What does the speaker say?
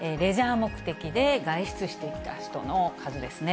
目的で外出していた人の数ですね。